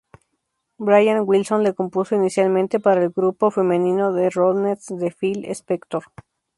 Brian Wilson la compuso inicialmente para el grupo femenino The Ronettes de Phil Spector.